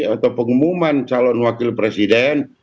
atau pengumuman calon wakil presiden